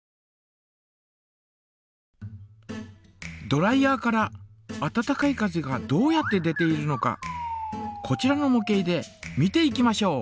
ドライヤーから温かい風がどうやって出ているのかこちらのも型で見ていきましょう。